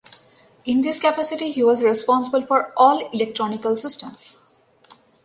In this capacity he was responsible for all electronical systems.